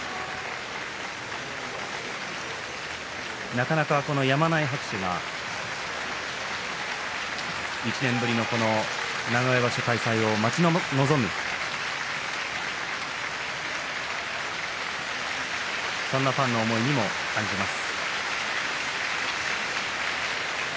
なかなかやまない拍手が１年ぶりの名古屋場所開催を待ち望むそんなファンの思いも感じます。